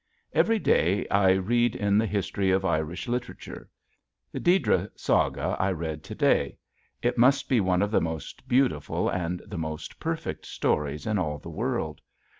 Every day I read in the "History of Irish Literature." The Deirdre Saga I read to day. It must be one of the most beautiful and the most perfect stories in all the world.